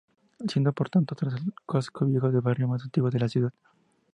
Siendo, por tanto, tras el casco viejo el barrio más antiguo de la ciudad.